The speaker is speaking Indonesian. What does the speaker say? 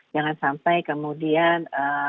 jangan sampai kemudian